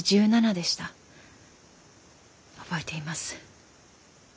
覚えています。